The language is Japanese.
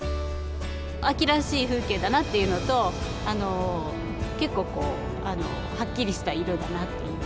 秋らしい風景だなっていうのと、結構こう、はっきりした色だなと。